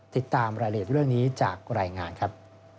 ติดตามรายละเอียดเรื่องนี้จากรายงานครับ